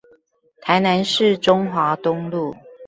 台南市中華東路